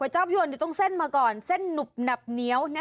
จะต้องเซ่นมาก่อนเส้นนุบหนับเนี้ยว